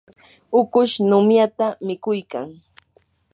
ukush numyata mikuykan.